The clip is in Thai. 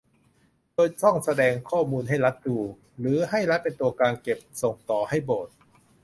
โดยต้องแสดงข้อมูลให้รัฐดู หรือให้รัฐเป็นตัวกลางเก็บส่งต่อให้โบสถ์